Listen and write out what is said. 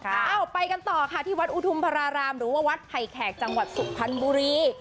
เอาไปกันต่อค่ะที่วัดอุทุมพระรารามหรือว่าวัดไผ่แขกจังหวัดสุพรรณบุรี